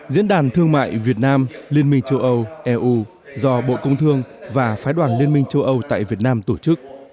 diễn đàn thương mại việt nam liên minh châu âu eu do bộ công thương và phái đoàn liên minh châu âu tại việt nam tổ chức